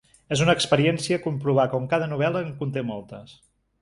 És una experiència comprovar com cada novel·la en conté moltes.